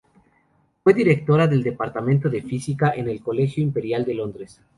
Fue directora del Departamento de Física en el Colegio Imperial de Londres.